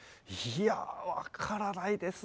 いや分からないですね。